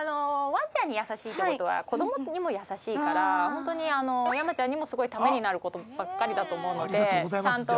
ワンちゃんに優しいって事は子供にも優しいからホントに山ちゃんにもすごいタメになる事ばっかりだと思うのでちゃんと。